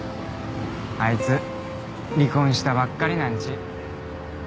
あいつ離婚したばっかりなんち。